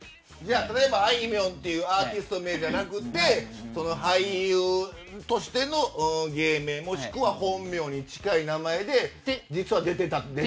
例えば、あいみょんというアーティスト名じゃなくて俳優としての芸名もしくは本名に近い名前で実は出てたと。